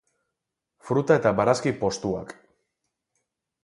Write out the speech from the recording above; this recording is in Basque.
Fruta eta barazki postuak.